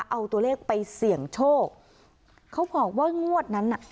เอาตัวเลขไปเสี่ยงโชคเขาบอกว่างวดนั้นน่ะ